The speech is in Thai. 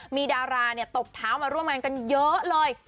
มีดาราตบเท้ามาร่วมงานกันเยอะเลย